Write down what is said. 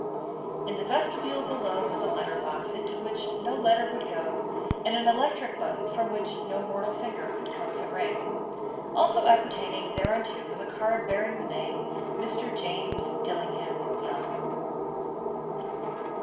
In the vestibule below was a letter box into which no letter would go, and an electric button from which no mortal finger could coax a ring. Also appertaining thereunto was a card bearing the name "Mr. James Dillingham Young."